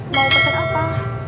mau pesen apa